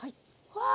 わあ！